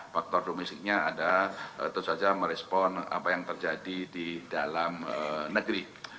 faktor domestiknya ada tentu saja merespon apa yang terjadi di dalam negeri